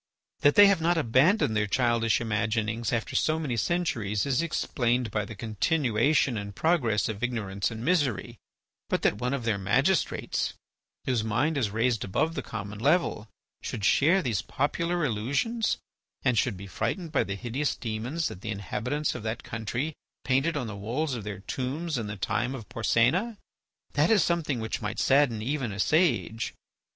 That they have not abandoned their childish imaginings after so many centuries is explained by the continuation and progress of ignorance and misery, but that one of their magistrates whose mind is raised above the common level should share these popular illusions and should be frightened by the hideous demons that the inhabitants of that country painted on the walls of their tombs in the time of Porsena—that is something which might sadden even a sage.